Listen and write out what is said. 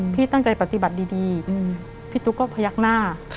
พี่ตั้งใจปฏิบัติดีพี่ตุ๊กก็พยักหน้า